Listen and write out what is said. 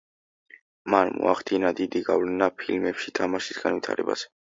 მან მოახდინა დიდი გავლენა ფილმებში თამაშის განვითარებაზე.